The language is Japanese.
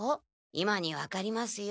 今に分かりますよ